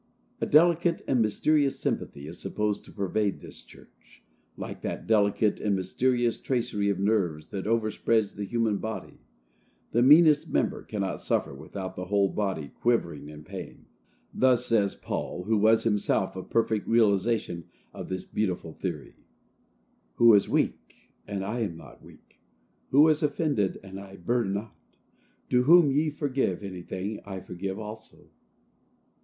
A delicate and mysterious sympathy is supposed to pervade this church, like that delicate and mysterious tracery of nerves that overspreads the human body; the meanest member cannot suffer without the whole body quivering in pain. Thus says Paul, who was himself a perfect realization of this beautiful theory: "Who is weak, and I am not weak? Who is offended, and I burn not?" "To whom ye forgive anything, I forgive also."